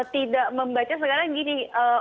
tidak membaca sekarang gini